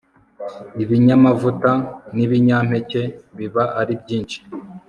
ibinyamavuta nibinyampeke biba ari byinshi